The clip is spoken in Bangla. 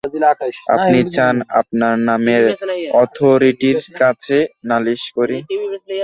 আপনি চান, আপনার নামে অথোরিটির কাছে নালিশ করি?